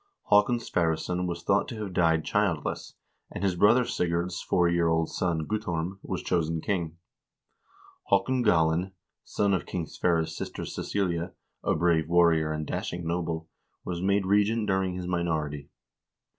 Haakon Sverresson was thought to have died childless, and his brother Sigurd's four year old son, Guttorm, was chosen king. Haa kon Galin, son of King Sverre's sister Cecilia, a brave warrior and dashing noble, was made regent during his minority.